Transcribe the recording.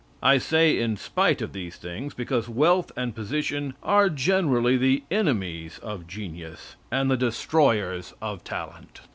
I say in spite of these things, because wealth and position are generally the enemies of genius, and the destroyers of talent.